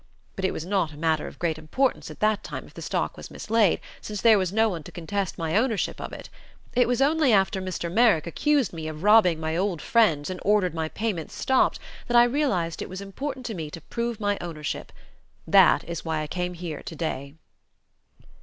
But it was not a matter of great importance at that time if the stock was mislaid, since there was no one to contest my ownership of it. It was only after Mr. Merrick accused me of robbing my old friends and ordered my payments stopped that I realized it was important to me to prove my ownership. That is why I came here today."